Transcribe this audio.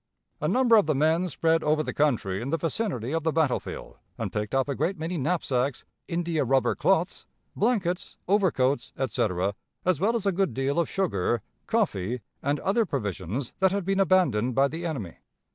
A number of the men spread over the country in the vicinity of the battlefield, and picked up a great many knapsacks, India rubber cloths, blankets, overcoats, etc., as well as a good deal of sugar, coffee, and other provisions that had been abandoned by the enemy....